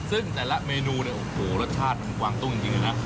ซึ่งแต่ละเมนูรสชาติมันความตุ้นจริงนะ